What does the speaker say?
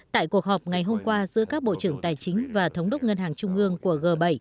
tại cuộc họp ngày hôm qua giữa các bộ trưởng tài chính và thống đốc ngân hàng trung ương của g bảy